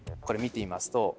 これ見てみますと。